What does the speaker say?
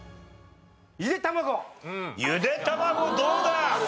ゆで卵どうだ？